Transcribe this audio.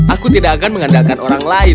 aku tidak akan mengandalkan orang lain